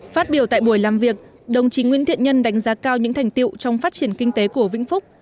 phát biểu tại buổi làm việc đồng chí nguyễn thiện nhân đánh giá cao những thành tiệu trong phát triển kinh tế của vĩnh phúc